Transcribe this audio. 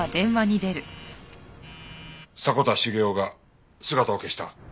迫田茂夫が姿を消した。